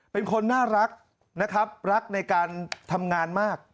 เป็นคนน่ารักรักในการทำงานมาก